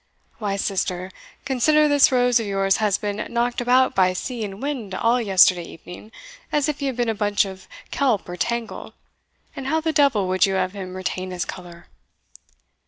"Why, sister, consider this rose of yours has been knocked about by sea and wind all yesterday evening, as if he had been a bunch of kelp or tangle, and how the devil would you have him retain his colour?"